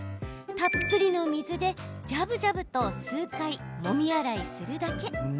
たっぷりの水でじゃぶじゃぶと数回もみ洗いするだけ。